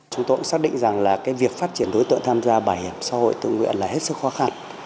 chúng tôi cũng xác định rằng là cái việc phát triển đối tượng tham gia bảo hiểm xã hội tự nguyện là hết sức khó khăn